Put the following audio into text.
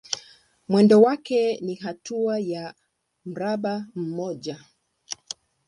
Mwendo wake ni hatua ya mraba mmoja.